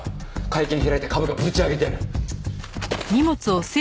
会見開いて株価ぶち上げてやる。